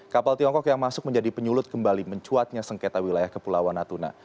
kapal tiongkok yang masuk menjadi penyulut kembali mencuatnya sengketa wilayah kepulauan natuna